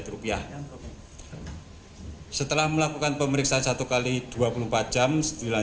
dan proyek pembangunan peningkatan jalan curug air dingin kabupaten terjang lebong